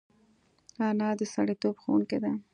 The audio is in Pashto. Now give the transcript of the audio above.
انا د سړیتوب ښوونکې ده